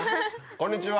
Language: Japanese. こんにちは。